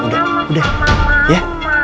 udah udah ya